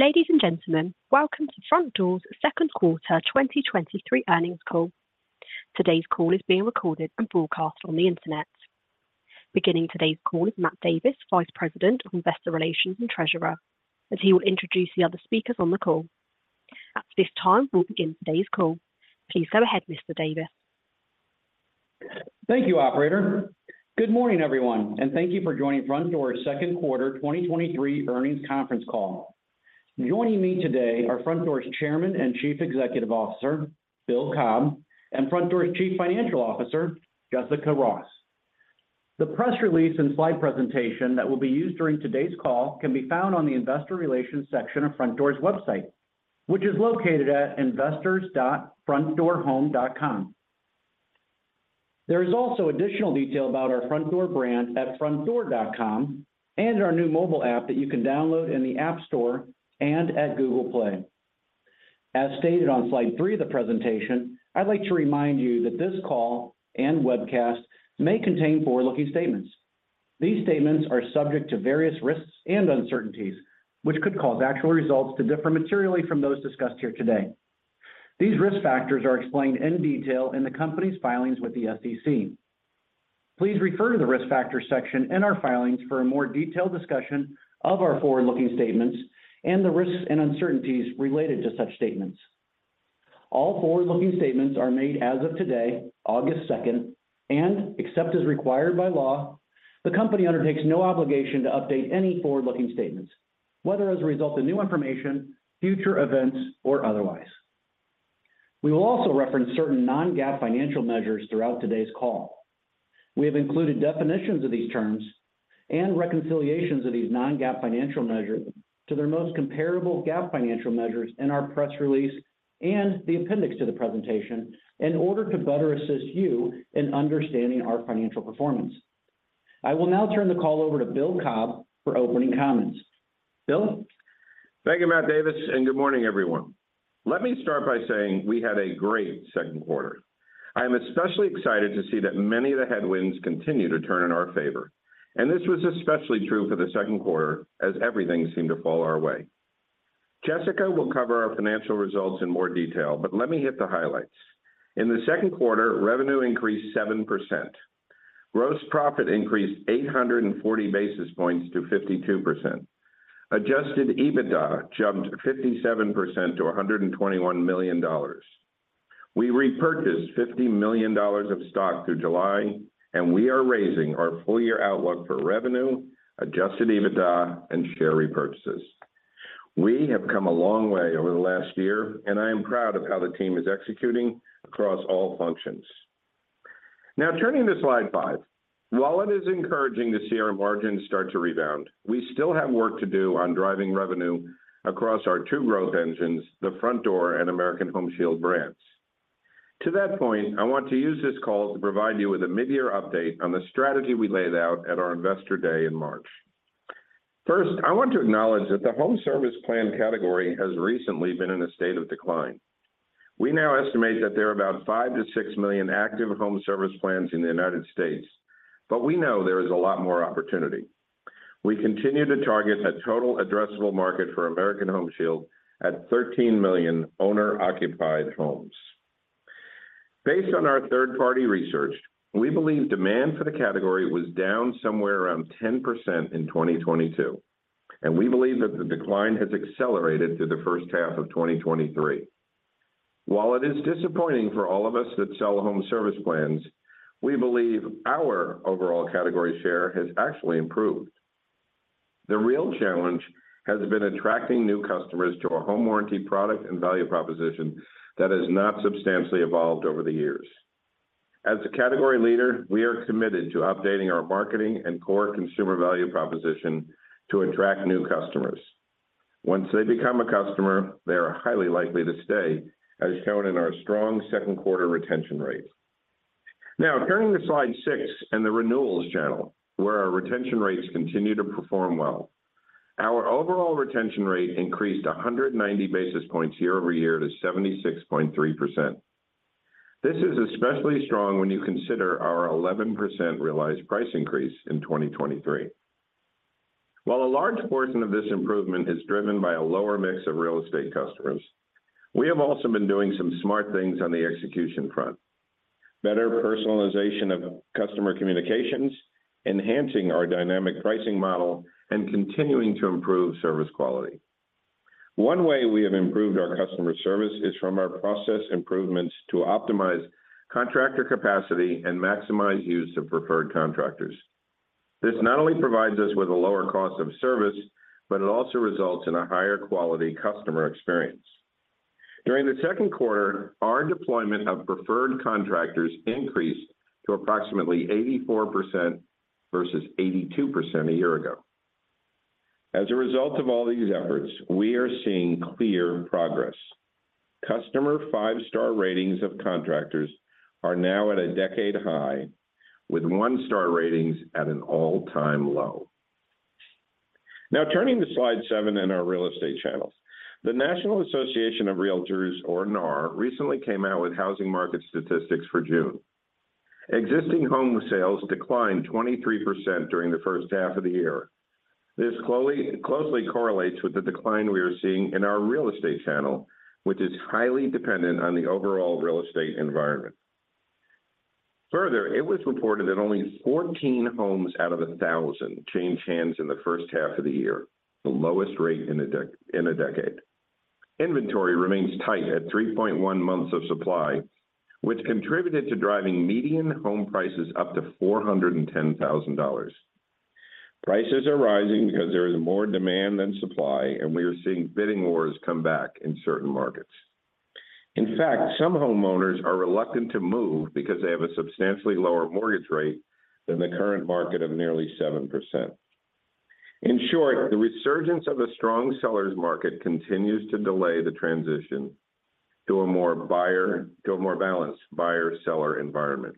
Ladies and gentlemen, welcome to Frontdoor's second quarter 2023 earnings call. Today's call is being recorded and broadcast on the Internet. Beginning today's call is Matt Davis, Vice President of Investor Relations and Treasurer, as he will introduce the other speakers on the call. At this time, we'll begin today's call. Please go ahead, Mr. Davis. Thank you, operator. Good morning, everyone, and thank you for joining Frontdoor's second quarter 2023 earnings conference call. Joining me today are Frontdoor's Chairman and Chief Executive Officer, Bill Cobb, and Frontdoor's Chief Financial Officer, Jessica Ross. The press release and slide presentation that will be used during today's call can be found on the investor relations section of Frontdoor's website, which is located at investors.frontdoorhome.com. There is also additional detail about our Frontdoor brand at frontdoor.com and our new mobile app that you can download in the App Store and at Google Play. As stated on slide three of the presentation, I'd like to remind you that this call and webcast may contain forward-looking statements. These statements are subject to various risks and uncertainties, which could cause actual results to differ materially from those discussed here today. These risk factors are explained in detail in the company's filings with the SEC. Please refer to the Risk Factors section in our filings for a more detailed discussion of our forward-looking statements and the risks and uncertainties related to such statements. All forward-looking statements are made as of today, August 2nd, and except as required by law, the company undertakes no obligation to update any forward-looking statements, whether as a result of new information, future events, or otherwise. We will also reference certain non-GAAP financial measures throughout today's call. We have included definitions of these terms and reconciliations of these non-GAAP financial measures to their most comparable GAAP financial measures in our press release and the appendix to the presentation in order to better assist you in understanding our financial performance. I will now turn the call over to Bill Cobb for opening comments. Bill? Thank you, Matt Davis. Good morning, everyone. Let me start by saying we had a great second quarter. I am especially excited to see that many of the headwinds continue to turn in our favor, and this was especially true for the second quarter as everything seemed to fall our way. Jessica will cover our financial results in more detail, but let me hit the highlights. In the second quarter, revenue increased 7%. Gross profit increased 840 basis points to 52%. Adjusted EBITDA jumped 57% to $121 million. We repurchased $50 million of stock through July, and we are raising our full-year outlook for revenue, Adjusted EBITDA, and share repurchases. We have come a long way over the last year, and I am proud of how the team is executing across all functions. Now, turning to slide five. While it is encouraging to see our margins start to rebound, we still have work to do on driving revenue across our two growth engines, the Frontdoor and American Home Shield brands. To that point, I want to use this call to provide you with a mid-year update on the strategy we laid out at our Investor Day in March. First, I want to acknowledge that the home service plan category has recently been in a state of decline. We now estimate that there are about five to six million active home service plans in the United States. We know there is a lot more opportunity. We continue to target a total addressable market for American Home Shield at 13 million owner-occupied homes. Based on our third-party research, we believe demand for the category was down somewhere around 10% in 2022. We believe that the decline has accelerated through the first half of 2023. While it is disappointing for all of us that sell home service plans, we believe our overall category share has actually improved. The real challenge has been attracting new customers to our home warranty product and value proposition that has not substantially evolved over the years. As a category leader, we are committed to updating our marketing and core consumer value proposition to attract new customers. Once they become a customer, they are highly likely to stay, as shown in our strong second quarter retention rate. Now, turning to slide six and the renewals channel, where our retention rates continue to perform well. Our overall retention rate increased 190 basis points year-over-year to 76.3%. This is especially strong when you consider our 11% realized price increase in 2023. While a large portion of this improvement is driven by a lower mix of real estate customers, we have also been doing some smart things on the execution front. Better personalization of customer communications, enhancing our dynamic pricing model, and continuing to improve service quality. One way we have improved our customer service is from our process improvements to optimize contractor capacity and maximize use of preferred contractors. This not only provides us with a lower cost of service, but it also results in a higher quality customer experience. During the second quarter, our deployment of preferred contractors increased to approximately 84% versus 82% a year ago. As a result of all these efforts, we are seeing clear progress. Customer five-star ratings of contractors are now at a decade high, with one-star ratings at an all-time low. Turning to slide seven in our real estate channels. The National Association of Realtors, or NAR, recently came out with housing market statistics for June. Existing home sales declined 23% during the first half of the year. This closely, closely correlates with the decline we are seeing in our real estate channel, which is highly dependent on the overall real estate environment. It was reported that only 14 homes out of 1,000 changed hands in the first half of the year, the lowest rate in a decade. Inventory remains tight at 3.1 months of supply, which contributed to driving median home prices up to $410,000. Prices are rising because there is more demand than supply, and we are seeing bidding wars come back in certain markets. In fact, some homeowners are reluctant to move because they have a substantially lower mortgage rate than the current market of nearly 7%. In short, the resurgence of a strong seller's market continues to delay the transition to a more balanced buyer-seller environment.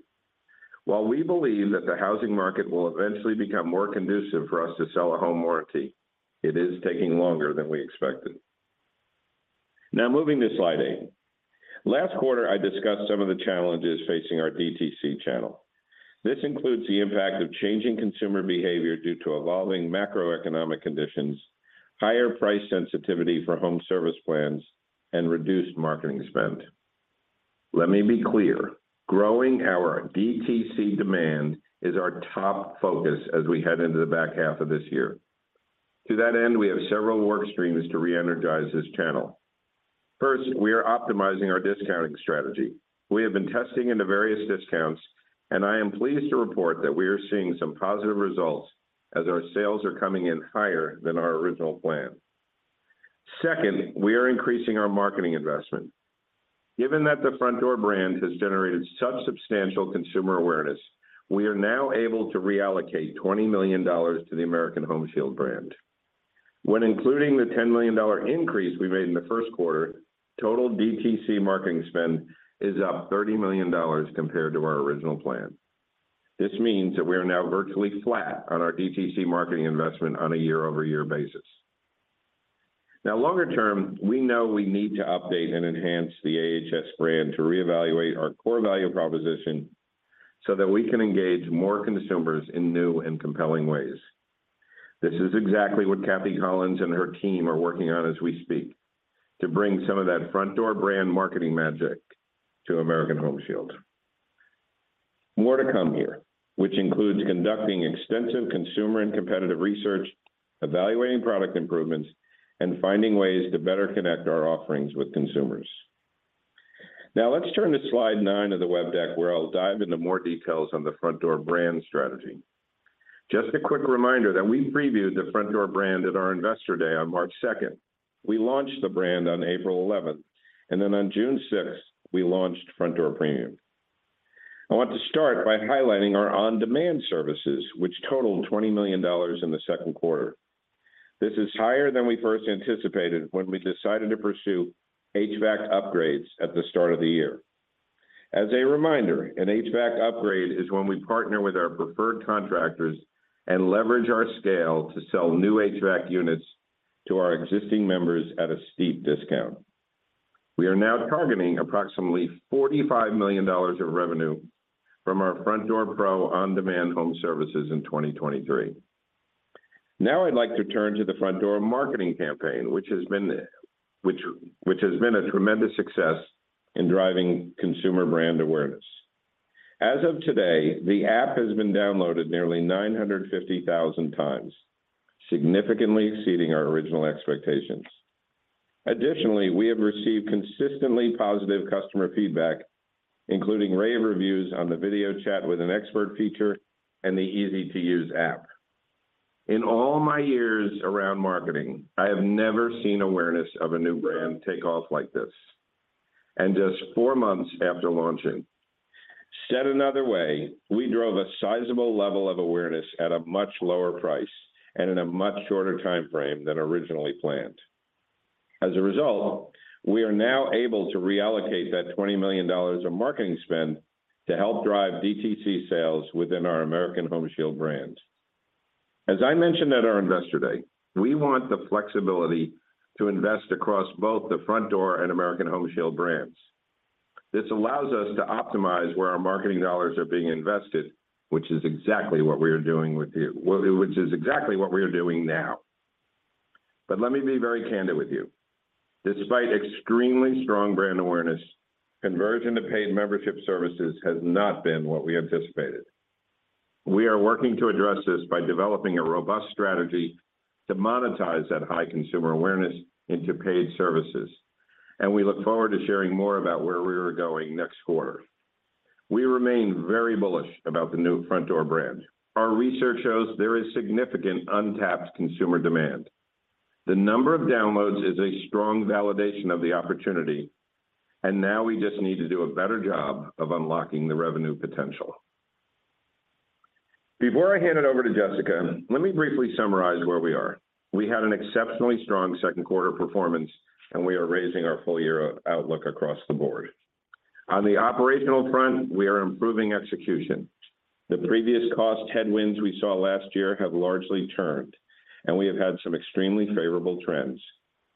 While we believe that the housing market will eventually become more conducive for us to sell a home warranty, it is taking longer than we expected. Now, moving to slide eight. Last quarter, I discussed some of the challenges facing our DTC channel. This includes the impact of changing consumer behavior due to evolving macroeconomic conditions, higher price sensitivity for home service plans, and reduced marketing spend. Let me be clear, growing our DTC demand is our top focus as we head into the back half of this year. To that end, we have several work streams to re-energize this channel. First, we are optimizing our discounting strategy. We have been testing into various discounts, and I am pleased to report that we are seeing some positive results as our sales are coming in higher than our original plan. Second, we are increasing our marketing investment. Given that the Frontdoor brand has generated such substantial consumer awareness, we are now able to reallocate $20 million to the American Home Shield brand. When including the $10 million increase we made in the first quarter, total DTC marketing spend is up $30 million compared to our original plan. This means that we are now virtually flat on our DTC marketing investment on a year-over-year basis. Longer term, we know we need to update and enhance the AHS brand to reevaluate our core value proposition, so that we can engage more consumers in new and compelling ways. This is exactly what Kathy Collins and her team are working on as we speak, to bring some of that Frontdoor brand marketing magic to American Home Shield. More to come here, which includes conducting extensive consumer and competitive research, evaluating product improvements, and finding ways to better connect our offerings with consumers. Let's turn to slide nine of the web deck, where I'll dive into more details on the Frontdoor brand strategy. Just a quick reminder that we previewed the Frontdoor brand at our Investor Day on March 2nd. We launched the brand on April 11th, and then on June 6th, we launched Frontdoor Premium. I want to start by highlighting our on-demand services, which totaled $20 million in the second quarter. This is higher than we first anticipated when we decided to pursue HVAC upgrades at the start of the year. As a reminder, an HVAC upgrade is when we partner with our preferred contractors and leverage our scale to sell new HVAC units to our existing members at a steep discount. We are now targeting approximately $45 million of revenue from our Frontdoor Pro on-demand home services in 2023. Now, I'd like to turn to the Frontdoor marketing campaign, which has been a tremendous success in driving consumer brand awareness. As of today, the app has been downloaded nearly 950,000 times, significantly exceeding our original expectations. Additionally, we have received consistently positive customer feedback, including rave reviews on the video chat with an expert feature and the easy-to-use app. In all my years around marketing, I have never seen awareness of a new brand take off like this, just four months after launching. Said another way, we drove a sizable level of awareness at a much lower price and in a much shorter timeframe than originally planned. As a result, we are now able to reallocate that $20 million of marketing spend to help drive DTC sales within our American Home Shield brands. As I mentioned at our Investor Day, we want the flexibility to invest across both the Frontdoor and American Home Shield brands. This allows us to optimize where our marketing dollars are being invested, which is exactly what we are doing now. Let me be very candid with you: Despite extremely strong brand awareness, conversion to paid membership services has not been what we anticipated. We are working to address this by developing a robust strategy to monetize that high consumer awareness into paid services, and we look forward to sharing more about where we are going next quarter. We remain very bullish about the new Frontdoor brand. Our research shows there is significant untapped consumer demand. The number of downloads is a strong validation of the opportunity, and now we just need to do a better job of unlocking the revenue potential. Before I hand it over to Jessica, let me briefly summarize where we are. We had an exceptionally strong second quarter performance. We are raising our full-year outlook across the board. On the operational front, we are improving execution. The previous cost headwinds we saw last year have largely turned, and we have had some extremely favorable trends,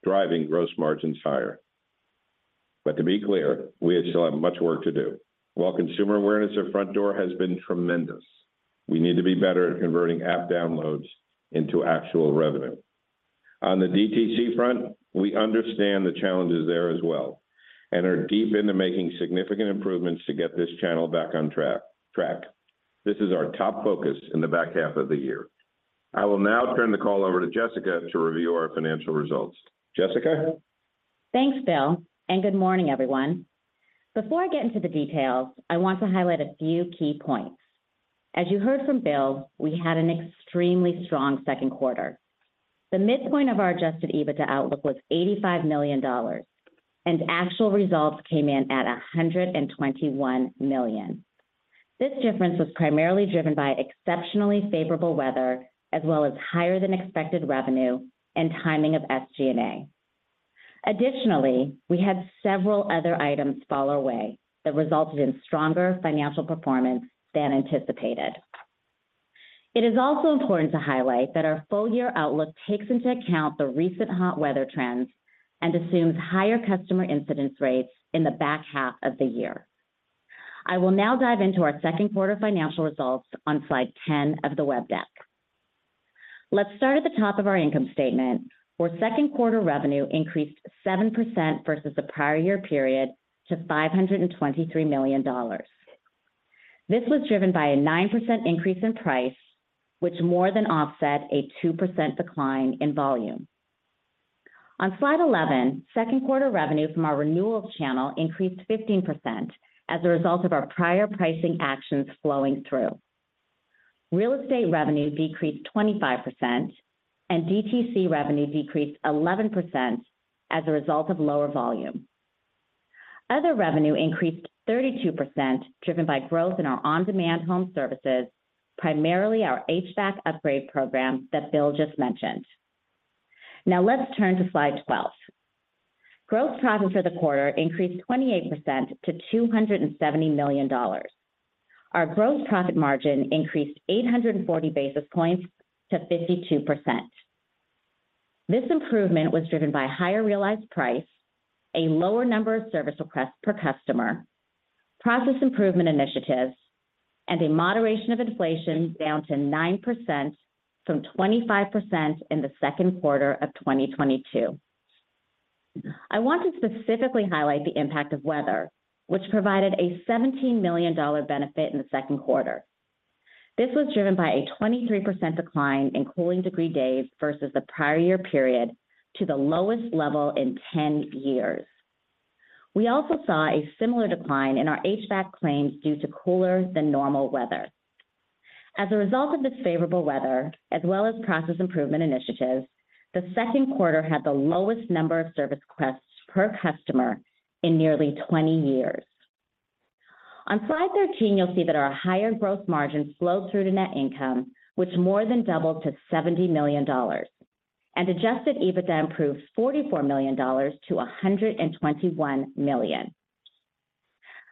driving gross margins higher. To be clear, we still have much work to do. While consumer awareness of Frontdoor has been tremendous, we need to be better at converting app downloads into actual revenue. On the DTC front, we understand the challenges there as well, and are deep into making significant improvements to get this channel back on track. This is our top focus in the back half of the year. I will now turn the call over to Jessica to review our financial results. Jessica? Thanks, Bill. Good morning, everyone. Before I get into the details, I want to highlight a few key points. As you heard from Bill, we had an extremely strong second quarter. The midpoint of our Adjusted EBITDA outlook was $85 million, actual results came in at $121 million. This difference was primarily driven by exceptionally favorable weather, as well as higher than expected revenue and timing of SG&A. We had several other items fall our way that resulted in stronger financial performance than anticipated. It is also important to highlight that our full year outlook takes into account the recent hot weather trends and assumes higher customer incidence rates in the back half of the year. I will now dive into our second quarter financial results on slide 10 of the web deck. Let's start at the top of our income statement, where second quarter revenue increased 7% versus the prior year period to $523 million. This was driven by a 9% increase in price, which more than offset a 2% decline in volume. On slide 11, second quarter revenue from our renewals channel increased 15% as a result of our prior pricing actions flowing through. Real estate revenue decreased 25%, and DTC revenue decreased 11% as a result of lower volume. Other revenue increased 32%, driven by growth in our on-demand home services, primarily our HVAC upgrade program that Bill just mentioned. Now let's turn to slide 12. Gross profit for the quarter increased 28% to $270 million. Our gross profit margin increased 840 basis points to 52%. This improvement was driven by higher realized price, a lower number of service requests per customer, process improvement initiatives, and a moderation of inflation down to 9% from 25% in the second quarter of 2022. I want to specifically highlight the impact of weather, which provided a $17 million benefit in the second quarter. This was driven by a 23% decline in Cooling Degree Days versus the prior year period to the lowest level in 10 years. We also saw a similar decline in our HVAC claims due to cooler than normal weather. As a result of this favorable weather, as well as process improvement initiatives, the second quarter had the lowest number of service requests per customer in nearly 20 years. On slide 13, you'll see that our higher growth margin flowed through to net income, which more than doubled to $70 million. Adjusted EBITDA improved $44 million- $121 million.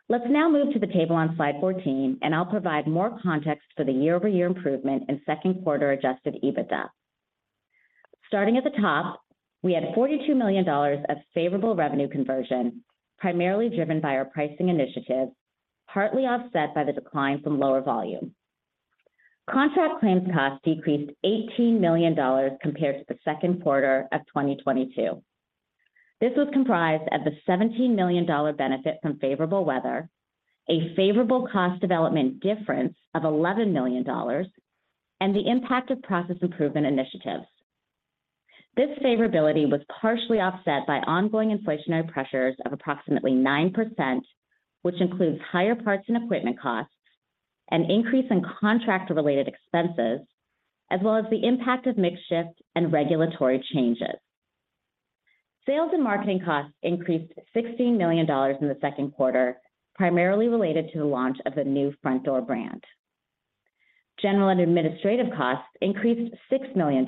Let's now move to the table on slide 14. I'll provide more context for the year-over-year improvement in second quarter Adjusted EBITDA. Starting at the top, we had $42 million of favorable revenue conversion, primarily driven by our pricing initiatives, partly offset by the decline from lower volume. Contract claims costs -$18 million compared to the second quarter of 2022. This was comprised of the $17 million benefit from favorable weather, a favorable cost development difference of $11 million, and the impact of process improvement initiatives. This favorability was partially offset by ongoing inflationary pressures of approximately 9%, which includes higher parts and equipment costs, an increase in contract-related expenses, as well as the impact of mix shift and regulatory changes. Sales and marketing costs +$16 million in the second quarter, primarily related to the launch of the new Frontdoor brand. General and administrative costs +$6 million,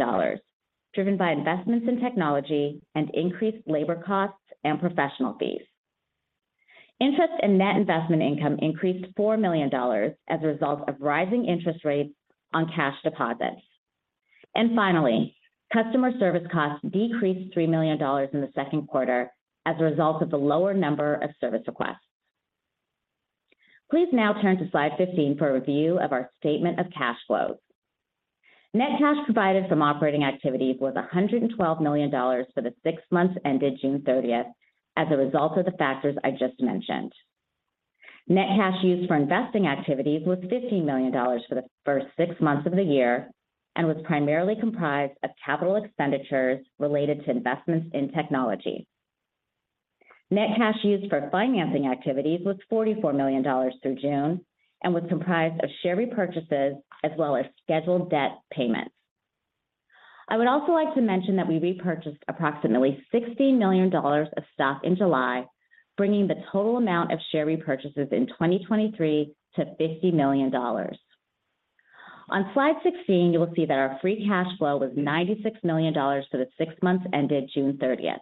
driven by investments in technology and increased labor costs and professional fees. Interest in net investment income +$4 million as a result of rising interest rates on cash deposits. Finally, customer service costs -$3 million in the second quarter as a result of the lower number of service requests. Please now turn to slide 15 for a review of our statement of cash flows. Net cash provided from operating activities was $112 million for the six months ended June 30th as a result of the factors I just mentioned. Net cash used for investing activities was $15 million for the first six months of the year, and was primarily comprised of capital expenditures related to investments in technology. Net cash used for financing activities was $44 million through June and was comprised of share repurchases as well as scheduled debt payments. I would also like to mention that we repurchased approximately $16 million of stock in July, bringing the total amount of share repurchases in 2023 to $50 million. On slide 16, you will see that our free cash flow was $96 million for the six months ended June 30th.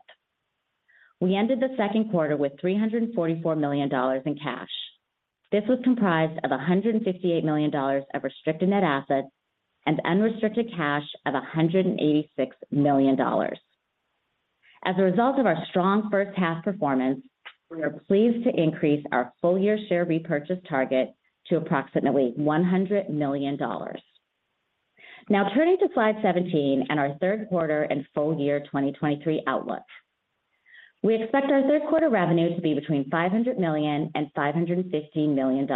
We ended the second quarter with $344 million in cash. This was comprised of $158 million of restricted net assets and unrestricted cash of $186 million. As a result of our strong first half performance, we are pleased to increase our full year share repurchase target to approximately $100 million. Turning to slide 17 and our third quarter and full year 2023 outlook. We expect our third quarter revenue to be between $500 million and $550 million.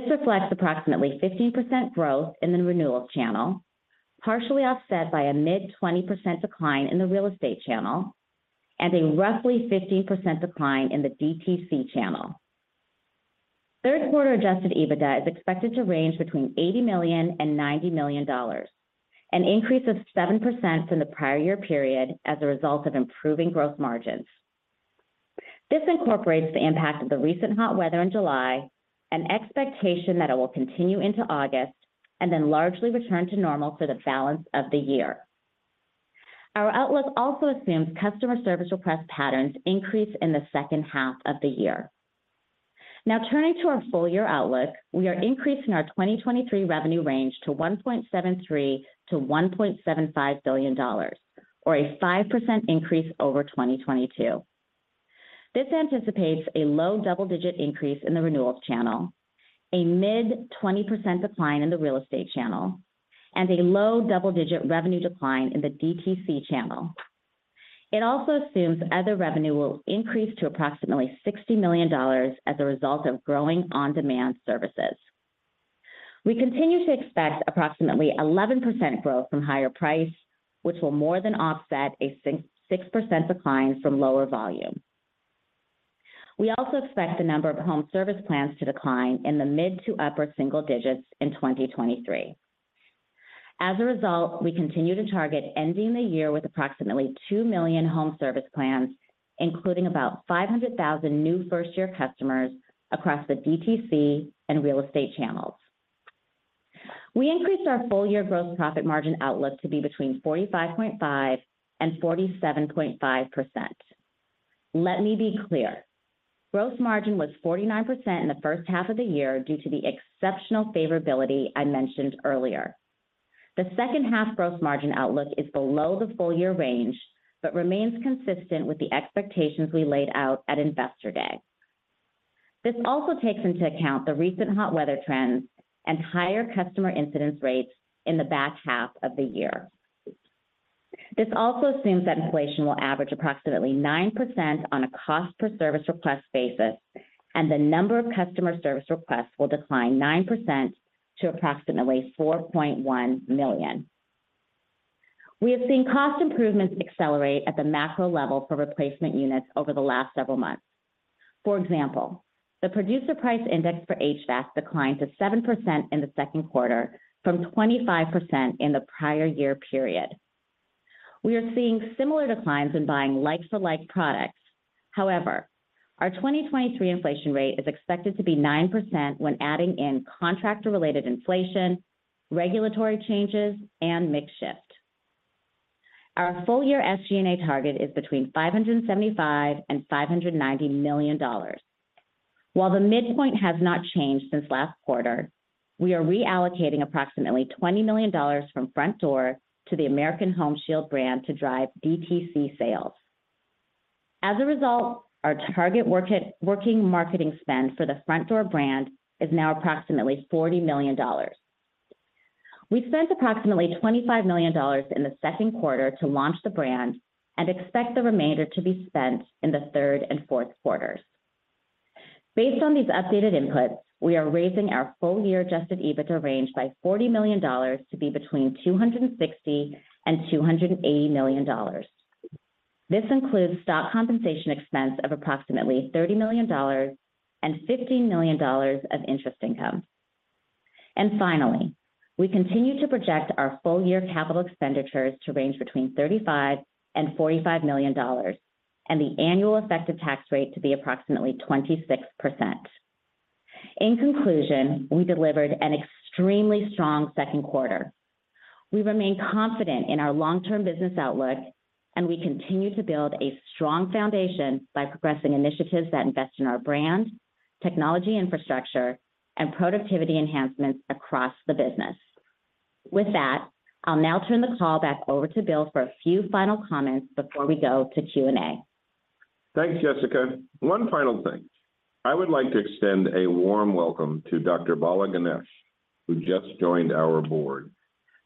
This reflects approximately 15% growth in the renewals channel, partially offset by a mid-20% decline in the real estate channel and a roughly 50% decline in the DTC channel. Third quarter Adjusted EBITDA is expected to range between $80 million and $90 million, an increase of 7% from the prior year period as a result of improving growth margins. This incorporates the impact of the recent hot weather in July, an expectation that it will continue into August and then largely return to normal for the balance of the year. Our outlook also assumes customer service request patterns increase in the second half of the year. Turning to our full year outlook, we are increasing our 2023 revenue range to $1.73 billion-$1.75 billion, or a 5% increase over 2022. This anticipates a low double-digit increase in the renewals channel, a mid-20% decline in the real estate channel, and a low double-digit revenue decline in the DTC channel. It also assumes other revenue will increase to approximately $60 million as a result of growing on-demand services. We continue to expect approximately 11% growth from higher price, which will more than offset a 6% decline from lower volume. We also expect the number of home service plans to decline in the mid to upper single digits in 2023. As a result, we continue to target ending the year with approximately 2 million home service plans, including about 500,000 new first-year customers across the DTC and real estate channels. We increased our full year gross profit margin outlook to be between 45.5% and 47.5%. Let me be clear, gross margin was 49% in the first half of the year due to the exceptional favorability I mentioned earlier. The second half gross margin outlook is below the full year range, but remains consistent with the expectations we laid out at Investor Day. This also takes into account the recent hot weather trends and higher customer incidence rates in the back half of the year. This also assumes that inflation will average approximately 9% on a cost per service request basis, and the number of customer service requests will decline 9% to approximately 4.1 million. We have seen cost improvements accelerate at the macro level for replacement units over the last several months. For example, the Producer Price Index for HVAC declined to 7% in the second quarter from 25% in the prior year period. We are seeing similar declines in buying like-for-like products. However, our 2023 Inflation Rate is expected to be 9% when adding in contractor-related inflation, regulatory changes, and mix shift. Our full year SG&A target is between $575 million-$590 million. While the midpoint has not changed since last quarter, we are reallocating approximately $20 million from Frontdoor to the American Home Shield brand to drive DTC sales. As a result, our target working marketing spend for the Frontdoor brand is now approximately $40 million. We spent approximately $25 million in the second quarter to launch the brand and expect the remainder to be spent in the third and fourth quarters. Based on these updated inputs, we are raising our full year Adjusted EBITDA range by $40 million to be between $260 million and $280 million. This includes stock compensation expense of approximately $30 million and $15 million of interest income. Finally, we continue to project our full year CapEx to range between $35 million and $45 million, and the annual effective tax rate to be approximately 26%. In conclusion, we delivered an extremely strong second quarter. We remain confident in our long-term business outlook, and we continue to build a strong foundation by progressing initiatives that invest in our brand, technology infrastructure, and productivity enhancements across the business. With that, I'll now turn the call back over to Bill for a few final comments before we go to Q&A. Thanks, Jessica. One final thing. I would like to extend a warm welcome to Dr. Bala Ganesh, who just joined our board,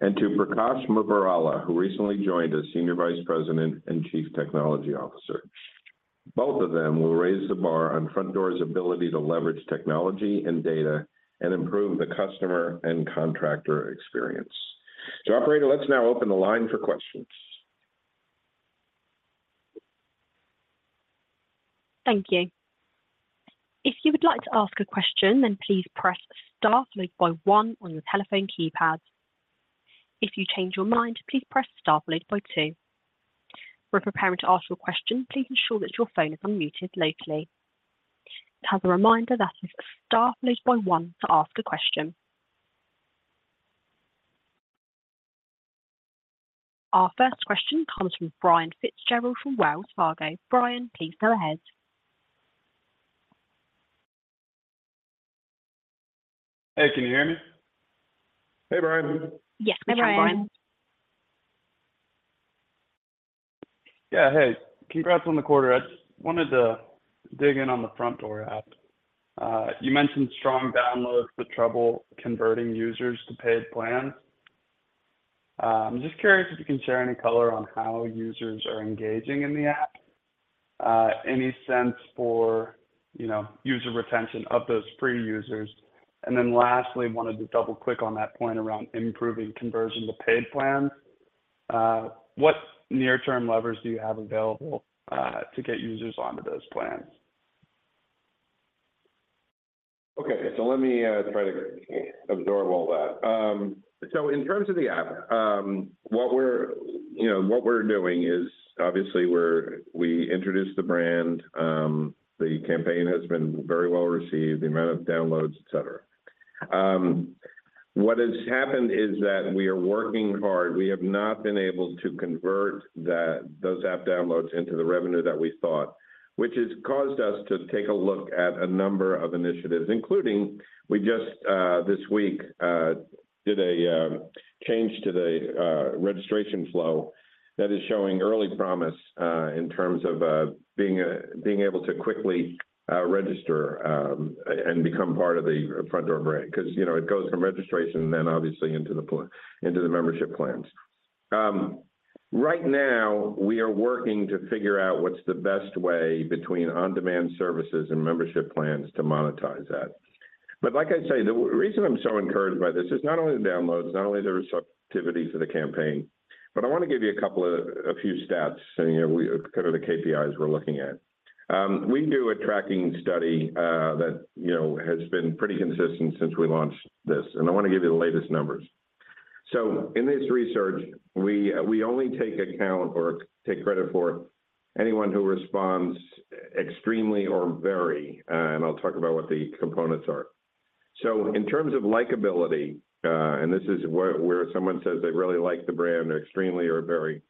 and to Prakash Muppirala, who recently joined as Senior Vice President and Chief Technology Officer. Both of them will raise the bar on Frontdoor's ability to leverage technology and data and improve the customer and contractor experience. Operator, let's now open the line for questions. Thank you. If you would like to ask a question, then please press star followed by one on your telephone keypad. If you change your mind, please press star followed by two. We're preparing to ask your question, please ensure that your phone is unmuted locally. As a reminder, that is star followed by one to ask a question. Our first question comes from Brian Fitzgerald from Wells Fargo. Brian, please go ahead. Hey, can you hear me? Hey, Brian. Yes. Hey, Brian. Yeah. Hey, congrats on the quarter. I just wanted to dig in on the Frontdoor app. You mentioned strong downloads but trouble converting users to paid plans. I'm just curious if you can share any color on how users are engaging in the app. Any sense for, you know, user retention of those free users? Then lastly, wanted to double-click on that point around improving conversion to paid plans. What near-term levers do you have available, to get users onto those plans? Okay. Let me try to absorb all that. In terms of the app, what we're, you know, what we're doing is obviously we introduced the brand. The campaign has been very well-received, the amount of downloads, et cetera. What has happened is that we are working hard. We have not been able to convert those app downloads into the revenue that we thought, which has caused us to take a look at a number of initiatives, including, we just this week did a change to the registration flow that is showing early promise in terms of being able to quickly register and become part of the Frontdoor brand. Because, you know, it goes from registration and then obviously into the membership plans. Right now, we are working to figure out what's the best way between on-demand services and membership plans to monetize that. Like I say, the reason I'm so encouraged by this is not only the downloads, not only the receptivity to the campaign, but I wanna give you a couple of, a few stats, and, you know, kind of the KPIs we're looking at. We do a tracking study that, you know, has been pretty consistent since we launched this, and I wanna give you the latest numbers. In this research, we only take account or take credit for anyone who responds extremely or very, and I'll talk about what the components are. In terms of likability, and this is where, where someone says they really like the brand, extremely or very,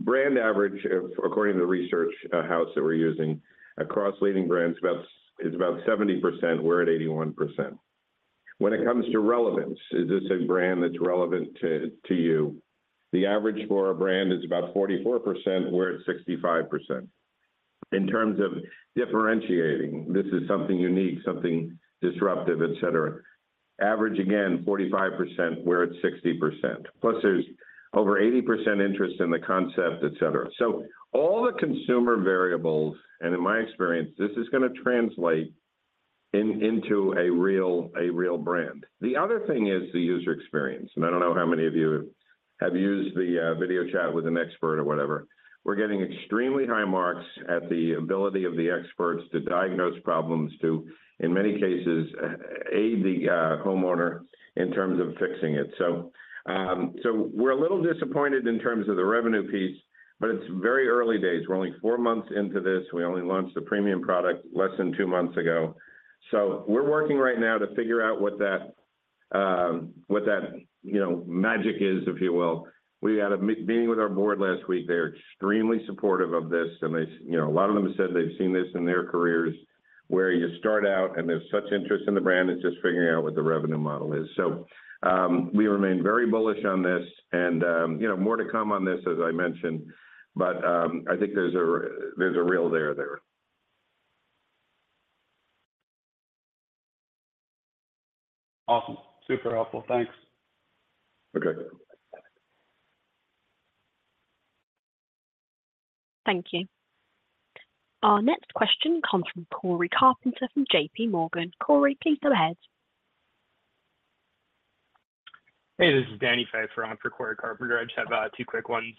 brand average, according to the research house that we're using across leading brands, is about 70%, we're at 81%. When it comes to relevance, is this a brand that's relevant to, to you? The average for a brand is about 44%, we're at 65%. In terms of differentiating, this is something unique, something disruptive, et cetera, average, again, 45%, we're at 60%. There's over 80% interest in the concept, et cetera. All the consumer variables, and in my experience, this is gonna translate into a real, a real brand. The other thing is the user experience, and I don't know how many of you have used the video chat with an expert or whatever. We're getting extremely high marks at the ability of the experts to diagnose problems, to, in many cases, aid the homeowner in terms of fixing it. We're a little disappointed in terms of the revenue piece, but it's very early days. We're only four months into this. We only launched the Premium product less than two months ago. We're working right now to figure out what that, what that, you know, magic is, if you will. We had a meeting with our board last week. They're extremely supportive of this, and they. You know, a lot of them have said they've seen this in their careers, where you start out, and there's such interest in the brand, it's just figuring out what the revenue model is. We remain very bullish on this, and, you know, more to come on this, as I mentioned, but, I think there's a, there's a real there there. Awesome. Super helpful. Thanks. Okay. Thank you. Our next question comes from Cory Carpenter from JPMorgan. Cory, please go ahead. Hey, this is Daniel Pfeiffer on for Cory Carpenter. I just have two quick ones.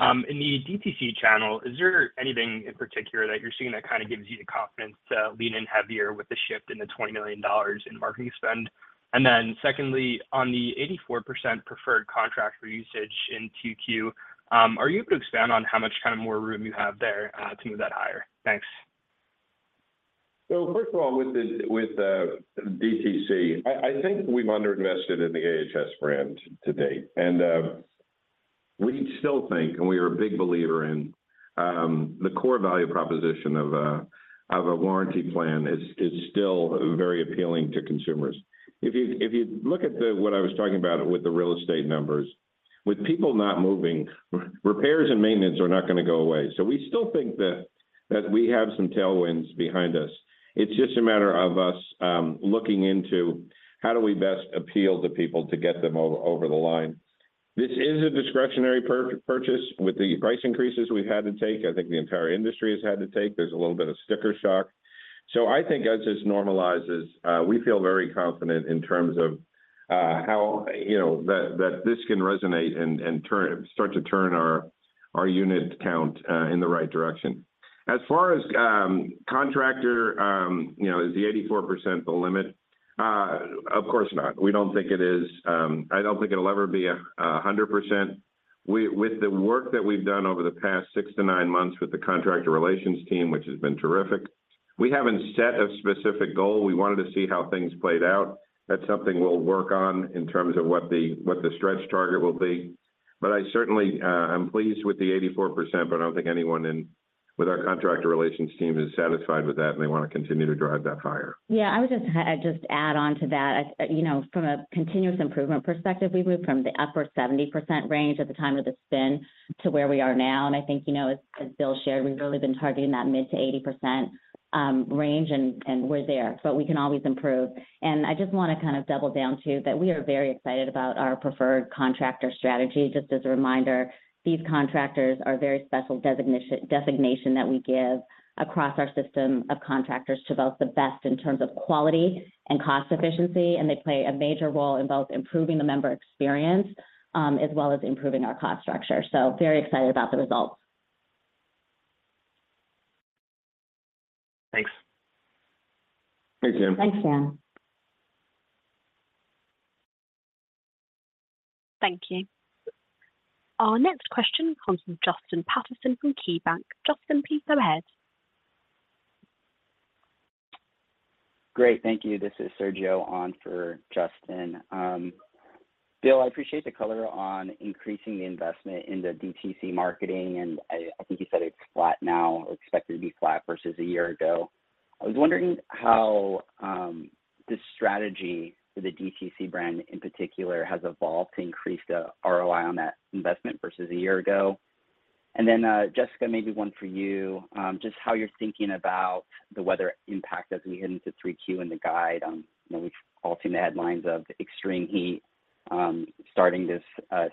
In the DTC channel, is there anything in particular that you're seeing that kind of gives you the confidence to lean in heavier with the shift in the $20 million in marketing spend? Secondly, on the 84% preferred contractor usage in 2Q, are you able to expand on how much kind of more room you have there to move that higher? Thanks. First of all, with the, with DTC, I, I think we've underinvested in the AHS brand to date, and we still think, and we are a big believer in the core value proposition of a warranty plan is still very appealing to consumers. If you look at the, what I was talking about with the real estate numbers, with people not moving, repairs and maintenance are not gonna go away. We still think that we have some tailwinds behind us. It's just a matter of us looking into how do we best appeal to people to get them over the line. This is a discretionary purchase with the price increases we've had to take, I think the entire industry has had to take. There's a little bit of sticker shock. I think as this normalizes, we feel very confident in terms of how, you know, that, that this can resonate and start to turn our, our unit count in the right direction. As far as contractor, you know, is the 84% the limit? Of course not. We don't think it is. I don't think it'll ever be 100%. With the work that we've done over the past six to nine months with the contractor relations team, which has been terrific. We haven't set a specific goal. We wanted to see how things played out. That's something we'll work on in terms of what the, what the stretch target will be. I certainly, I'm pleased with the 84%, but I don't think anyone in with our contractor relations team is satisfied with that, and they want to continue to drive that higher. Yeah, I would just add on to that. You know, from a continuous improvement perspective, we moved from the upper 70% range at the time of the spin to where we are now. I think, you know, as Bill shared, we've really been targeting that mid to 80% range, and we're there, but we can always improve. I just want to kind of double down, too, that we are very excited about our preferred contractor strategy. Just as a reminder, these contractors are very special designation, designation that we give across our system of contractors to vote the best in terms of quality and cost efficiency. They play a major role in both improving the member experience, as well as improving our cost structure. Very excited about the results. Thanks. Thanks, Dan. Thanks, Dan. Thank you. Our next question comes from Justin Patterson from KeyBanc. Justin, please go ahead. Great, thank you. This is Sergio on for Justin. Bill, I appreciate the color on increasing the investment in the DTC marketing, and I, I think you said it's flat now or expected to be flat versus a year ago. I was wondering how the strategy for the DTC brand in particular, has evolved to increase the ROI on that investment versus a year ago? Jessica, maybe one for you, just how you're thinking about the weather impact as we head into 3Q in the guide. You know, we've all seen the headlines of extreme heat, starting this,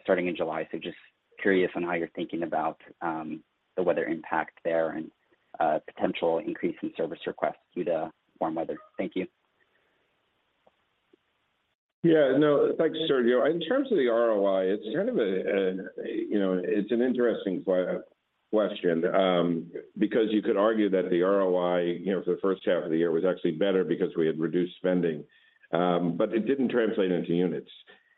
starting in July. Just curious on how you're thinking about the weather impact there and potential increase in service requests due to warm weather. Thank you. Yeah. No, thanks, Sergio. In terms of the ROI, it's kind of a, you know, it's an interesting question because you could argue that the ROI, you know, for the first half of the year was actually better because we had reduced spending, it didn't translate into units.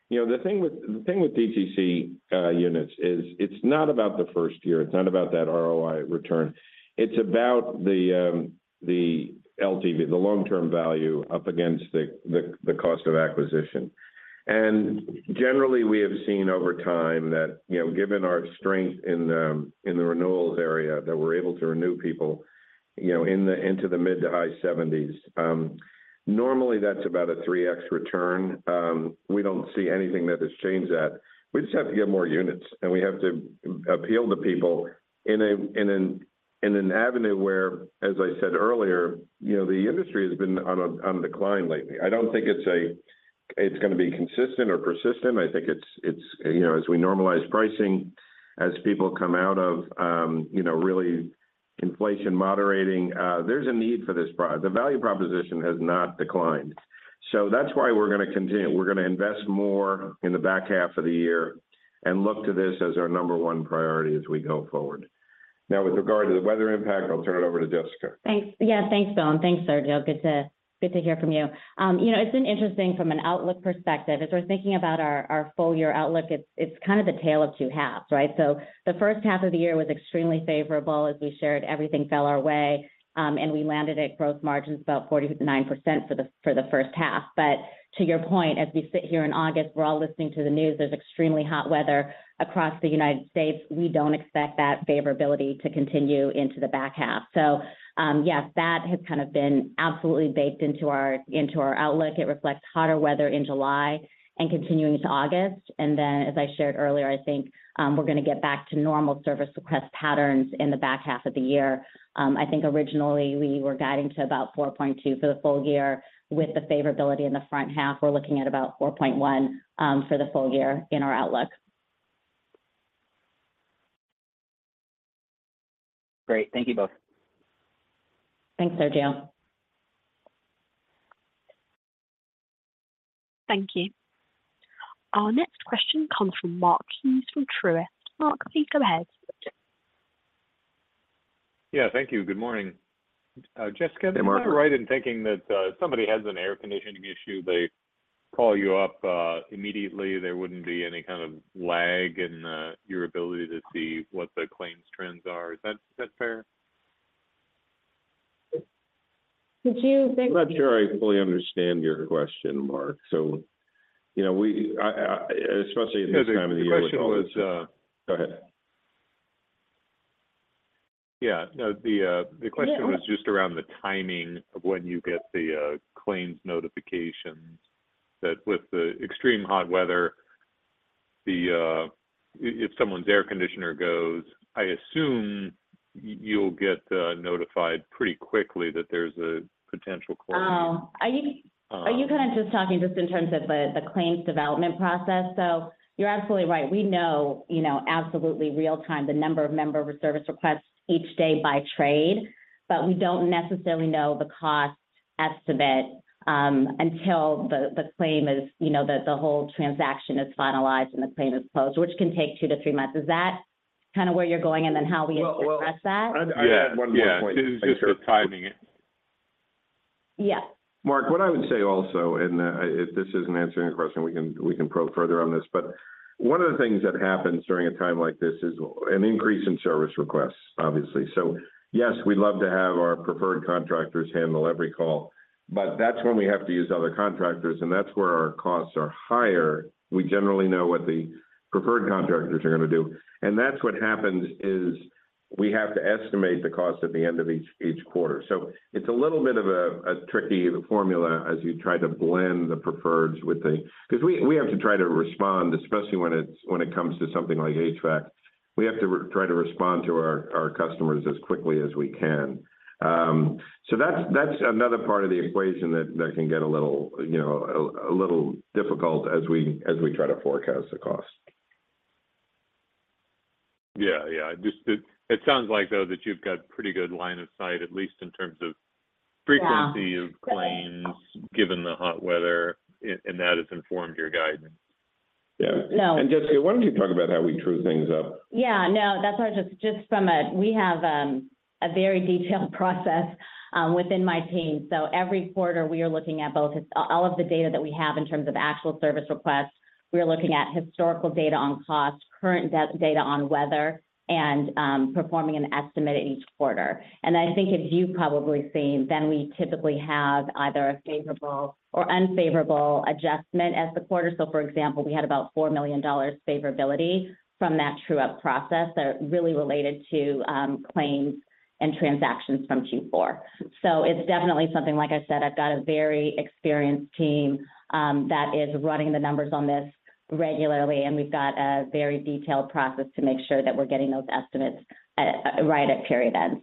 You know, the thing with, the thing with DTC units is it's not about the first year, it's not about that ROI return. It's about the LTV, the long-term value up against the cost of acquisition. Generally, we have seen over time that, you know, given our strength in the renewals area, that we're able to renew people, you know, into the mid to high 70s. Normally, that's about a 3x return. We don't see anything that has changed that. We just have to get more units, and we have to appeal to people in an avenue where, as I said earlier, you know, the industry has been on decline lately. I don't think it's gonna be consistent or persistent. I think it's, it's, you know, as we normalize pricing, as people come out of, you know, really inflation moderating, there's a need for this the value proposition has not declined. That's why we're gonna continue. We're gonna invest more in the back half of the year and look to this as our number one priority as we go forward. Now, with regard to the weather impact, I'll turn it over to Jessica. Thanks. Thanks, Bill, and thanks, Sergio. Good to, good to hear from you. You know, it's been interesting from an outlook perspective. As we're thinking about our, our full year outlook, it's, it's kind of the tale of two halves, right? The first half of the year was extremely favorable. As we shared, everything fell our way, and we landed at growth margins about 49% for the, for the first half. To your point, as we sit here in August, we're all listening to the news, there's extremely hot weather across the United States. We don't expect that favorability to continue into the back half. Yes, that has kind of been absolutely baked into our, into our outlook. It reflects hotter weather in July and continuing to August. As I shared earlier, I think, we're gonna get back to normal service request patterns in the back half of the year. I think originally we were guiding to about 4.2 for the full year. With the favorability in the front half, we're looking at about 4.1, for the full year in our outlook. Great. Thank you both. Thanks, Sergio. Thank you. Our next question comes from Mark Hughes from Truist. Mark, please go ahead. Yeah, thank you. Good morning. Jessica. Hey, Mark. Am I right in thinking that, if somebody has an air conditioning issue, they call you up immediately? There wouldn't be any kind of lag in your ability to see what the claims trends are. Is that, is that fair? Could you maybe- I'm not sure I fully understand your question, Mark. You know, we, I, I... Especially at this time of the year when- The question was. Go ahead. Yeah. No, the. Yeah... was just around the timing of when you get the claims notifications. With the extreme hot weather, if someone's air conditioner goes, I assume you'll get notified pretty quickly that there's a potential claim. Oh, are you, are you kind of just talking just in terms of the, the claims development process? You're absolutely right. We know, you know, absolutely real time, the number of member service requests each day by trade, but we don't necessarily know the cost estimate, until the, the claim is, you know, the, the whole transaction is finalized and the claim is closed, which can take two to three months. Is that kind of where you're going and then how we address that? Well. I, I had one more point. Yeah. It was just the timing it. Yes. Mark, what I would say also, and, if this isn't answering your question, we can, we can probe further on this, but one of the things that happens during a time like this is an increase in service requests, obviously. Yes, we'd love to have our preferred contractors handle every call, but that's when we have to use other contractors, and that's where our costs are higher. We generally know what the preferred contractors are gonna do. That's what happens, is we have to estimate the cost at the end of each, each quarter. It's a little bit of a tricky formula as you try to blend the preferred with the 'cause we have to try to respond, especially when it comes to something like HVAC, we have to try to respond to our, our customers as quickly as we can. That's, that's another part of the equation that, that can get a little, you know, a little difficult as we, as we try to forecast the cost. Yeah. Yeah. Just it sounds like, though, that you've got pretty good line of sight, at least in terms of- Yeah... frequency of claims, given the hot weather, and that has informed your guidance. Yeah. No- Jessica, why don't you talk about how we true things up? Yeah. No, that's why just, just from we have a very detailed process within my team. Every quarter, we are looking at both all of the data that we have in terms of actual service requests. We are looking at historical data on cost, current data on weather, and performing an estimate at each quarter. I think as you've probably seen, we typically have either a favorable or unfavorable adjustment as the quarter. For example, we had about $4 million favorability from that true-up process that really related to claims and transactions from Q4. It's definitely something, like I said, I've got a very experienced team that is running the numbers on this regularly, and we've got a very detailed process to make sure that we're getting those estimates right at period end.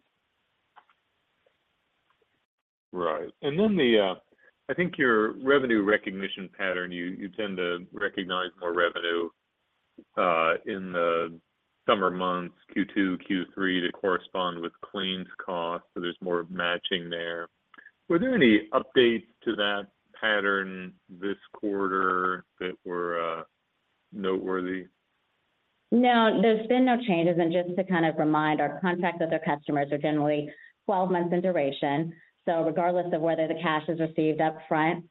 Right. Then the... I think your revenue recognition pattern, you, you tend to recognize more revenue in the summer months, Q2, Q3, to correspond with claims costs, so there's more matching there. Were there any updates to that pattern this quarter that were noteworthy? No, there's been no changes. Just to kind of remind, our contracts with our customers are generally 12 months in duration. Regardless of whether the cash is received up front,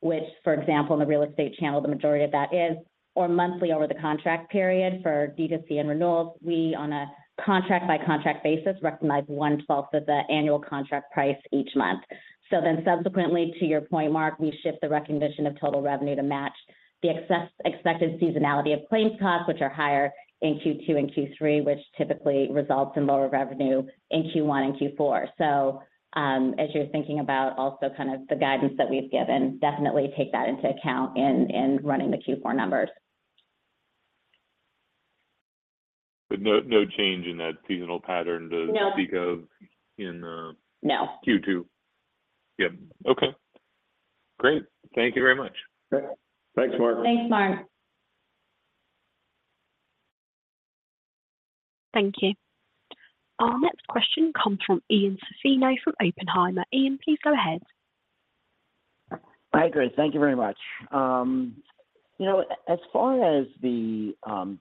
which, for example, in the real estate channel, the majority of that is, or monthly over the contract period for D2C and renewals, we, on a contract-by-contract basis, recognize 1/12 of the annual contract price each month. Subsequently, to your point, Mark, we shift the recognition of total revenue to match the expected seasonality of claims costs, which are higher in Q2 and Q3, which typically results in lower revenue in Q1 and Q4. As you're thinking about also kind of the guidance that we've given, definitely take that into account in, in running the Q4 numbers. No, no change in that seasonal pattern to- No -speak of in,- No Q2? Yeah. Okay. Great. Thank you very much. Okay. Thanks, Mark. Thanks, Mark. Thank you. Our next question comes from Ian Zaffino from Oppenheimer. Ian, please go ahead. Hi, Grace. Thank you very much. You know, as far as the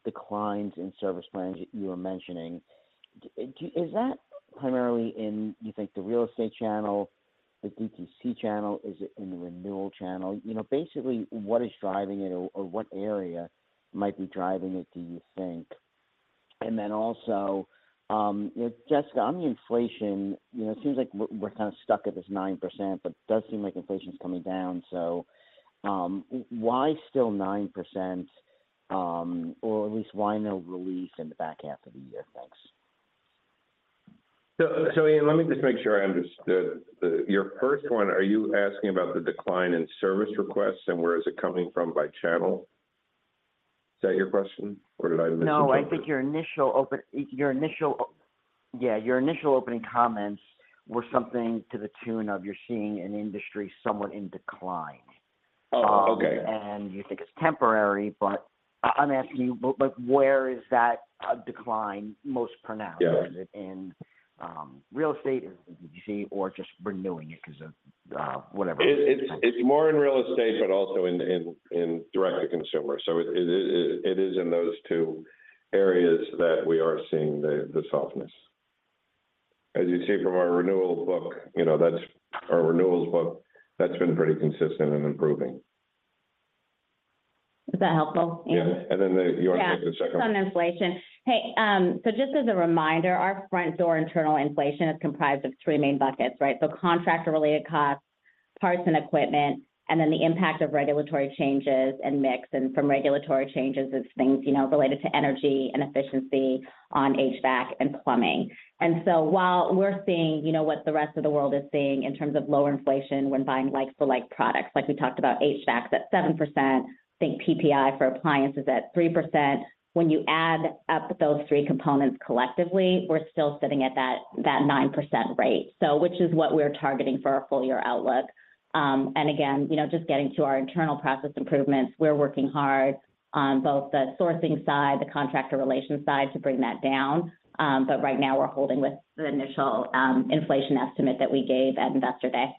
declines in service plans that you were mentioning, is that primarily in, you think, the real estate channel, the DTC channel? Is it in the renewal channel? You know, basically, what is driving it or, or what area might be driving it, do you think? Then also, Jessica, on the inflation, you know, it seems like we're, we're kind of stuck at this 9%, but it does seem like inflation is coming down, so, why still 9%? Or at least why no release in the back half of the year? Thanks. So Ian, let me just make sure I understood. Your first one, are you asking about the decline in service requests, and where is it coming from by channel? Is that your question, or did I miss something? No, I think your initial your initial, Yeah, your initial opening comments were something to the tune of you're seeing an industry somewhat in decline. Oh, okay. You think it's temporary, but I'm asking you, but where is that decline most pronounced? Yeah. Is it in real estate, is it in DTC, or just renewing it 'cause of whatever the reason? It's, it's, it's more in real estate, but also in, in, in direct to consumer. It, it, it is in those two areas that we are seeing the, the softness. As you see from our renewal book, you know, that's our renewals book, that's been pretty consistent in improving. Is that helpful, Ian? Yeah, and then you wanted to add the second one. Yeah, just on inflation. Hey, just as a reminder, our Frontdoor internal inflation is comprised of three main buckets, right? Contractor-related costs, parts and equipment, and then the impact of regulatory changes and mix. From regulatory changes, it's things, you know, related to energy and efficiency on HVAC and plumbing. While we're seeing, you know, what the rest of the world is seeing in terms of lower inflation when buying like-for-like products, like we talked about HVAC, that's 7%, I think PPI for appliances at 3%. When you add up those three components collectively, we're still sitting at that, that 9% rate, which is what we're targeting for our full year outlook. Again, you know, just getting to our internal process improvements, we're working hard on both the sourcing side, the contractor relations side to bring that down. Right now, we're holding with the initial inflation estimate that we gave at Investor Day.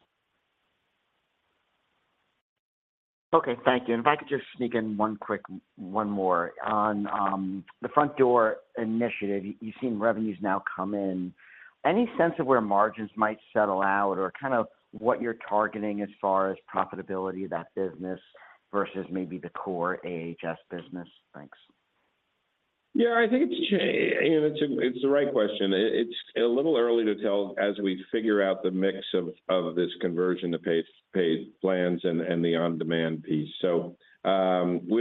Okay, thank you. If I could just sneak in one quick, one more. On, the Frontdoor initiative, you, you've seen revenues now come in. Any sense of where margins might settle out or kind of what you're targeting as far as profitability of that business versus maybe the core AHS business? Thanks. Yeah, I think it's you know, it's, it's the right question. It's a little early to tell as we figure out the mix of this conversion to paid, paid plans and the on-demand piece. We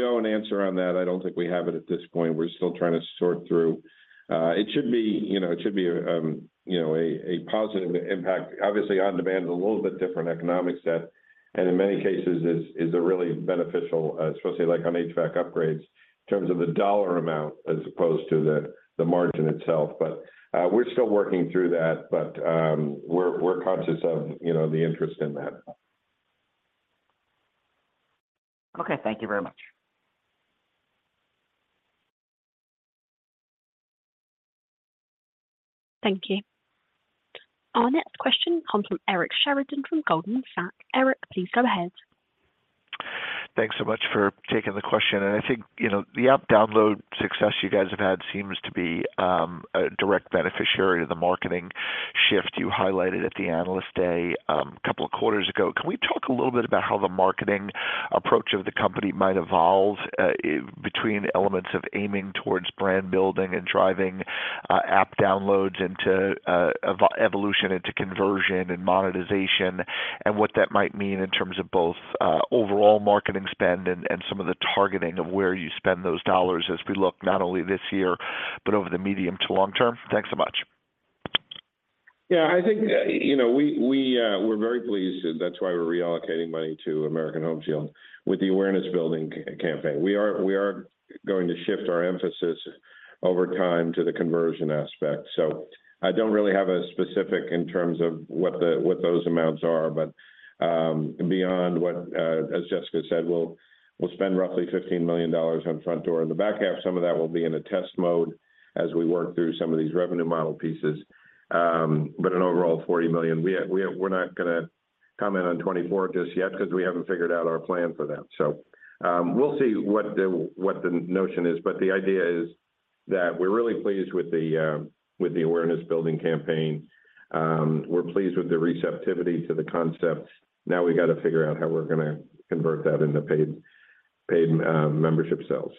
owe an answer on that. I don't think we have it at this point. We're still trying to sort through. It should be, you know, it should be, you know, a positive impact. Obviously, on-demand is a little bit different economic set, and in many cases is, is a really beneficial, especially like on HVAC upgrades, in terms of the dollar amount as opposed to the, the margin itself. We're still working through that, but, we're conscious of, you know, the interest in that. Okay. Thank you very much. Thank you. Our next question comes from Eric Sheridan, from Goldman Sachs. Eric, please go ahead. Thanks so much for taking the question. I think, you know, the app download success you guys have had seems to be a direct beneficiary of the marketing shift you highlighted at the Analyst Day, two quarters ago. Can we talk a little bit about how the marketing approach of the company might evolve between elements of aiming towards brand building and driving app downloads into evolution, into conversion and monetization? What that might mean in terms of both overall marketing spend and some of the targeting of where you spend those dollars as we look not only this year, but over the medium to long term? Thanks so much. Yeah, I think, you know, we, we, we're very pleased, and that's why we're reallocating money to American Home Shield with the awareness building campaign. We are, we are going to shift our emphasis over time to the conversion aspect. I don't really have a specific in terms of what those amounts are, but beyond what, as Jessica said, we'll, we'll spend roughly $15 million on Frontdoor. In the back half, some of that will be in a test mode as we work through some of these revenue model pieces. But an overall $40 million. We, we, we're not gonna comment on 2024 just yet, 'cause we haven't figured out our plan for that. We'll see what the, what the notion is. The idea is that we're really pleased with the, with the awareness building campaign. We're pleased with the receptivity to the concepts. Now we gotta figure out how we're gonna convert that into paid, paid, membership sales.